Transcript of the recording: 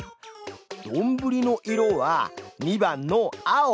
どんぶりの色は２番の青！